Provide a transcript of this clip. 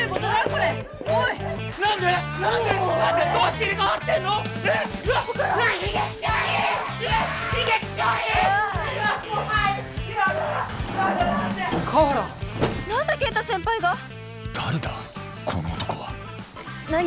この男は何？